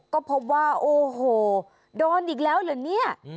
ก็พบว่าโอ้โหโดนอีกแล้วเหรอเนี่ย